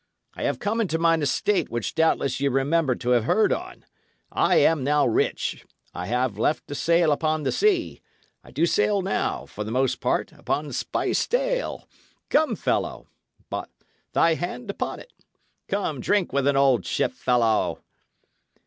I have come into mine estate which doubtless ye remember to have heard on. I am now rich; I have left to sail upon the sea; I do sail now, for the most part, upon spiced ale. Come, fellow; thy hand upon 't! Come, drink with an old shipfellow!"